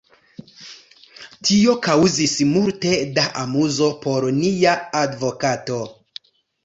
Tio kaŭzis multe da amuzo por nia advokato!